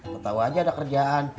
lo tau aja ada kerjaan